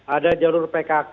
ada jalur pkk